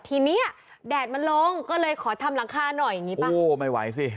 ทีเนี้ยแดดมันลงก็เลยขอทำหลังคาหน่อยอย่างงี้ป่ะโอ้ไม่ไหวสิ